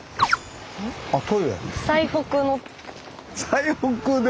最北の。